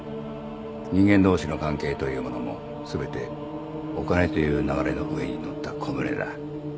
人間同士の関係というものも全てお金という流れの上に乗った小舟だ。